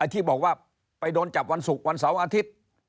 ที่บอกว่าไปโดนจับวันศุกร์วันเสาร์อาทิตย์